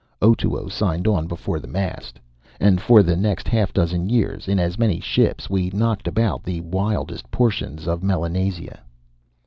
Otoo signed on before the mast; and for the next half dozen years, in as many ships, we knocked about the wildest portions of Melanesia.